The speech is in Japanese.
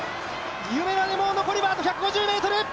夢まで、もう残りは１５０ｍ。